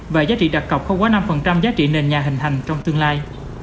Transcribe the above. và giá trị đặc cọc không quá năm giá trị nền nhà hình thành trong tương lai